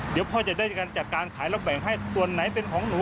เดี๋ยวพ่อจะได้การจัดการขายแล้วแบ่งให้ส่วนไหนเป็นของหนู